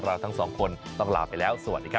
เราทั้งสองคนต้องลาไปแล้วสวัสดีครับ